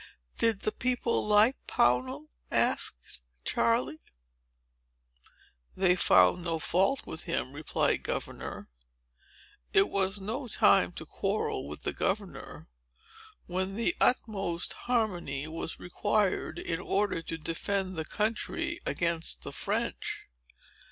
"Did the people like Pownall?" asked Charley. "They found no fault with him," replied Grandfather. "It was no time to quarrel with the governor, when the utmost harmony was required, in order to defend the country against the French.